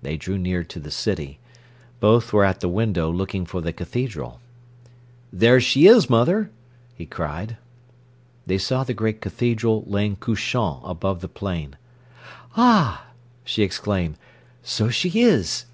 They drew near to the city. Both were at the window looking for the cathedral. "There she is, mother!" he cried. They saw the great cathedral lying couchant above the plain. "Ah!" she exclaimed. "So she is!"